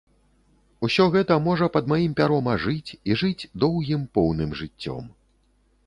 Усё гэта можа пад маім пяром ажыць і жыць доўгім поўным жыццём.